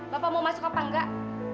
bapak mau masuk apa enggak